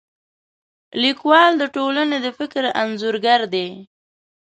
لیکوال د ټولنې د فکر انځورګر دی.